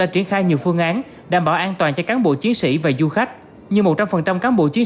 đã triển khai nhiều phương án đảm bảo an toàn cho cán bộ chiến sĩ và du khách như một trăm linh cán bộ chiến